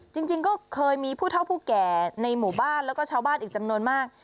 จริงก็เคยมีผู้เท่าผู้แก่ในหมู่บ้านแล้วก็ชาวบ้านอีกจำนวนมาก